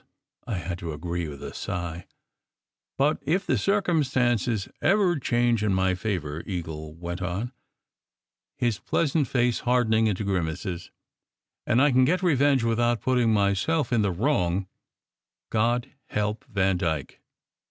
I had to agree with a sigh. "But if the circumstances ever change in my favour," Eagle went on, his pleasant face hardening into grimness, "and I can get revenge without putting myself in the wrong, God help Vandyke!"